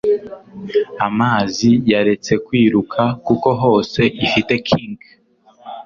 Amazi yaretse kwiruka kuko hose ifite kink.